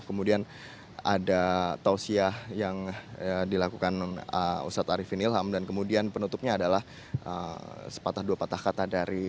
kemudian ada tawsiyah yang dilakukan ust arifi nilm haram disayang dan kemudian penutupnya adalah sepatah dua patah matah dari habib rizik shihab